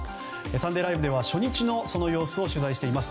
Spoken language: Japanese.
「サンデーＬＩＶＥ！！」では初日の様子を取材しています。